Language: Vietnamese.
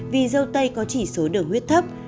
vì dâu tây có chỉ số đường huyết thấp